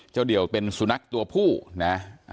เจ้าเดี่ยวเป็นสุนัขตัวผู้นะฮะ